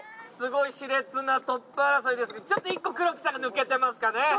すごいしれつなトップ争いですけどちょっと１個黒木さんが抜けてますかね。